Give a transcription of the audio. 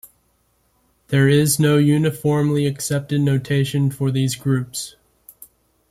There is no uniformly accepted notation for these groups.